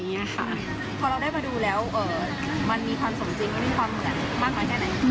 พอเราได้มาดูแล้วมันมีความสมจริงมีความเหมือนกันมากมายใช่ไหม